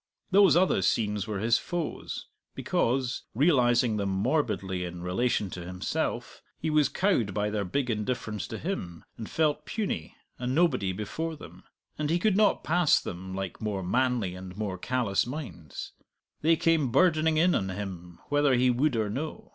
Those other scenes were his foes, because, realizing them morbidly in relation to himself, he was cowed by their big indifference to him, and felt puny, a nobody before them. And he could not pass them like more manly and more callous minds; they came burdening in on him whether he would or no.